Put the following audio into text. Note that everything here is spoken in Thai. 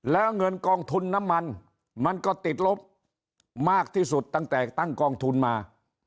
แล้วเงินกองทุนน้ำมันมันก็ติดลบมากที่สุดตั้งแต่ตั้งกองทุนมา